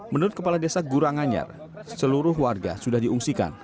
menurut kepala desa gura nganyar seluruh warga sudah diungsikan